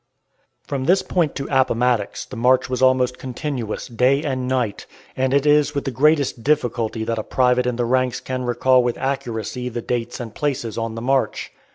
From this point to Appomattox the march was almost continuous, day and night, and it is with the greatest difficulty that a private in the ranks can recall with accuracy the dates and places on the march.